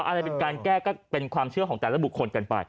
อะไรเป็นการแก้ก็เป็นความเชื่อของแต่ละบุคคลกันไป